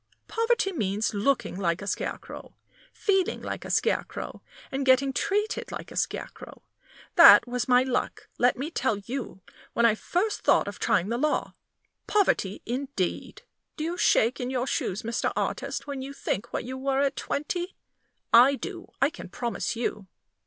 Poverty means looking like a scarecrow, feeling like a scarecrow, and getting treated like a scarecrow. That was my luck, let me tell you, when I first thought of trying the law. Poverty, indeed! Do you shake in your shoes, Mr. Artist, when you think what you were at twenty? I do, I can promise you."